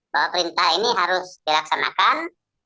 bahwa perintah ini harus dilaksanakan